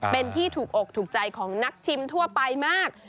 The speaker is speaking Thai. เป็นที่ถูกอกถูกใจของนักชิมทั่วไปมาก